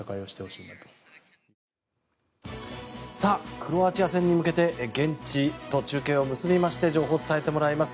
クロアチア戦に向けて現地と中継を結びまして情報を伝えてもらいます。